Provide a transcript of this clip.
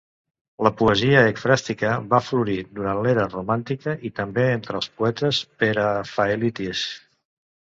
La poesia ecfràstica va florir durant l'era romàntica i també entre els poetes prerafaelites.